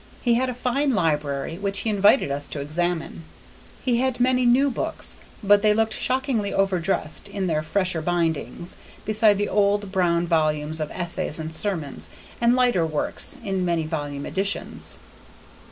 He had a fine library, which he invited us to examine. He had many new books, but they looked shockingly overdressed, in their fresher bindings, beside the old brown volumes of essays and sermons, and lighter works in many volume editions.